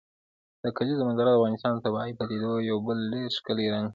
د کلیزو منظره د افغانستان د طبیعي پدیدو یو بل ډېر ښکلی رنګ دی.